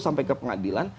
sampai ke pengadilan